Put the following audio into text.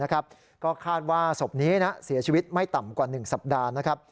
ก็คาดว่าศพนี้เสียชีวิตไม่ต่ำกว่า๑สัปดาห์นะครับ